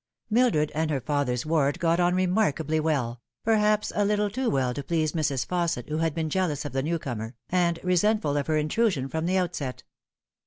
MILDRED and her father's ward got on remarkably well perhaps a little too well to please Mrs. Fausset, who had been jealous of the new comer, and resentful of her intrusion from the outset.